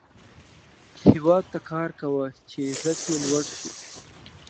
هیواد ته کار کوه، چې عزت یې لوړ شي